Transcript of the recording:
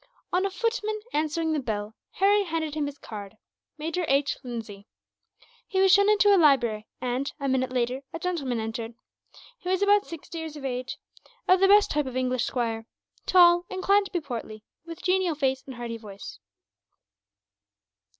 On a footman answering the bell, Harry handed him his card, "Major H. Lindsay." He was shown into a library and, a minute later, a gentleman entered. He was about sixty years of age, of the best type of English squire; tall, inclined to be portly, with genial face and hearty voice.